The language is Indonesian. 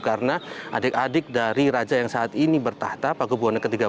karena adik adik dari raja yang saat ini bertahta paku buwono ke tiga belas